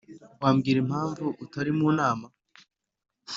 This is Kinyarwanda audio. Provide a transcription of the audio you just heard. wambwira impamvu utari mu nama?